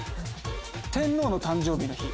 天皇の誕生日の日。